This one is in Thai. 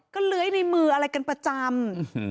ก็เลื้อยในมืออะไรกันประจำ